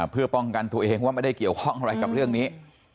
เพื่อป้องกันตัวเองว่าไม่ได้เกี่ยวข้องอะไรกับเรื่องนี้